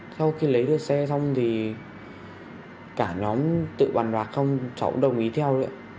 sau khi lấy được xe xong thì cả nhóm tự bàn bạc không cháu cũng đồng ý theo nữa